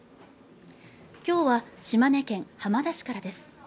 今日は島根県浜田市からです